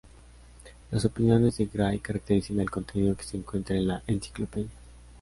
Las opiniones de Gray caracterizan el contenido que se encuentra en la "Encyclopedia".